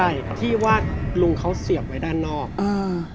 ใช่ครับที่ว่าลุงเขาเสียบไว้ด้านนอกอ่า